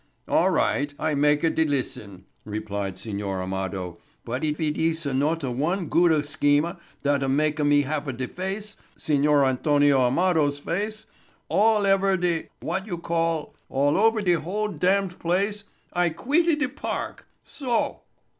"All right. I makea de listen," replied Signor Amado, "but eef eet eesa nota one gooda schema thata makea me hava de face—Signor Antonio Amado's face—all ever de—what you call?—all over de whole damned place—I queeta de park—so."